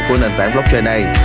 của nền tảng blockchain này